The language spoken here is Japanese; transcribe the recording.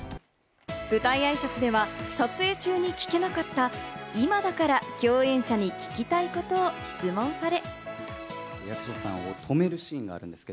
舞台挨拶では、撮影中に聞けなかった、今だから共演者に聞きたいことを質問され。